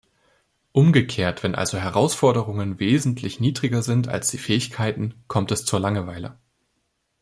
Umgekehrt, wenn also Herausforderungen wesentlich niedriger sind als die Fähigkeiten, kommt es zur Langeweile.